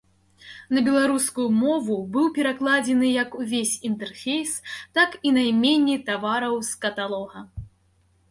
На беларускую мову быў перакладзены як увесь інтэрфейс, так і найменні тавараў з каталога.